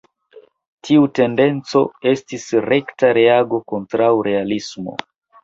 Tiu tendenco estis rekta reago kontraŭ realismo.